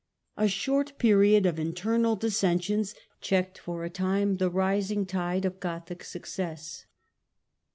A short period of internal dissensions checked, for a time, the rising tide of Gothic success.